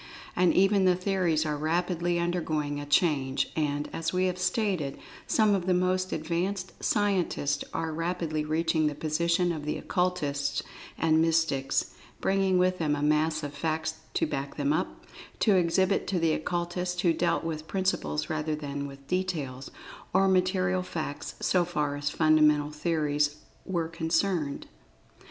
And even the theories are rapidly undergoing a change, and, as we have stated, some of the most advanced scientists are rapidly reaching the position of the Occultists and mystics, bringing with them a mass of facts to back them up, to exhibit to the Occultists who dealt with principles rather than with details, or material facts, so far as fundamental theories were concerned.